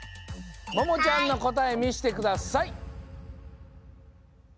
ももちゃんのこたえみしてください！